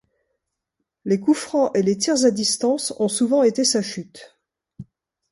Les coups francs et les tirs à distance ont souvent été sa chute.